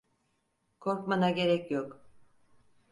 Korkmana gerek yok.